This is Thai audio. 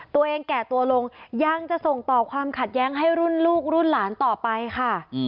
แก่ตัวลงยังจะส่งต่อความขัดแย้งให้รุ่นลูกรุ่นหลานต่อไปค่ะ